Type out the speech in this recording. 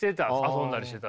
遊んだりしてた。